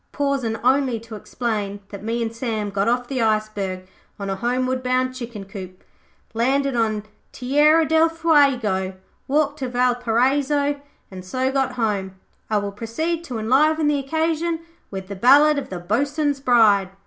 Pausin' only to explain that me an' Sam got off the iceberg on a homeward bound chicken coop, landed on Tierra del Fuego, walked to Valparaiso, and so got home, I will proceed to enliven the occasion with "The Ballad of the Bo'sun's Bride".'